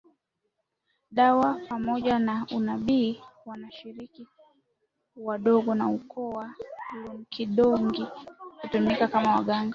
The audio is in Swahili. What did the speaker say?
Dawa Pamoja na unabii washiriki wadogo wa ukoo wa Loonkidongi hutumika kama waganga